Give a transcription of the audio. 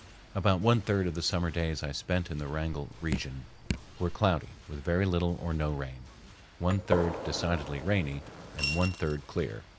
About one third of the summer days I spent in the Wrangell region were cloudy with very little or no rain, one third decidedly rainy, and one third clear.